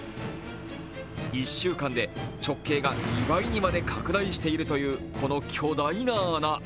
１週間で直径が２倍にまで拡大しているという、この巨大な穴。